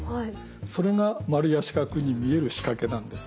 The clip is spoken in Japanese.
それが丸や四角に見える仕掛けなんです。